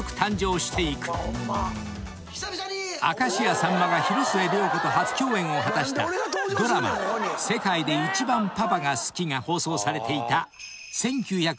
［明石家さんまが広末涼子と初共演を果たしたドラマ『世界で一番パパが好き』が放送されていた］